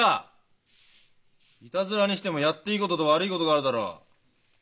いたずらにしてもやっていいことと悪いことがあるだろう。